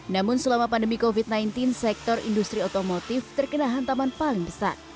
namun selama pandemi covid sembilan belas sektor industri otomotif terkena hantaman paling besar